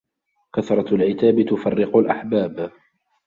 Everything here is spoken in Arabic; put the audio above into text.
كثرة العتاب تفرق الأحباب